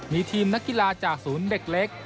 มีทีมนักกีฬาจากศูนย์เด็กเล็ก